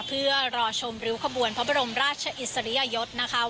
เพื่อรอชมริ้วขบวนพระบรมราชอิสริยยศนะคะ